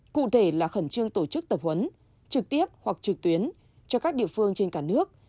cụ thể là khẩn trương tổ chức tập huấn trực tiếp hoặc trực tuyến cho các địa phương trên cả nước